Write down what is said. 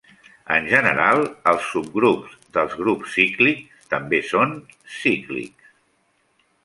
En general, els subgrups dels grups cíclics també són cíclics.